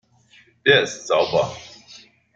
Der ist sauber.